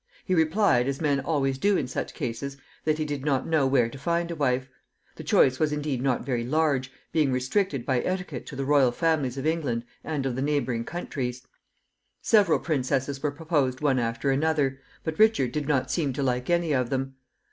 He replied, as men always do in such cases, that he did not know where to find a wife. The choice was indeed not very large, being restricted by etiquette to the royal families of England and of the neighboring countries. Several princesses were proposed one after another, but Richard did not seem to like any of them.